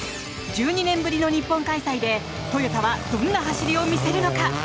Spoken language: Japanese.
１２年ぶりの日本開催でトヨタはどんな走りを見せるのか。